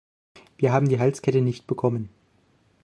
Wir haben die Halskette nicht bekommen.